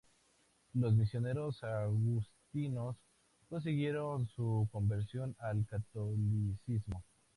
Los misioneros agustinos consiguieron su conversión al catolicismo.